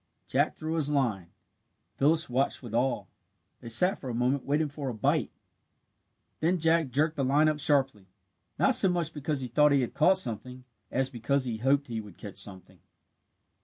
Jack threw his line Phyllis watched with awe. They sat for a moment waiting for a "bite." Then Jack jerked the line up sharply, not so much because he thought he had caught something, as because he hoped he would catch something.